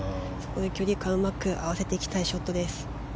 距離感をうまく合わせていきたいショットです。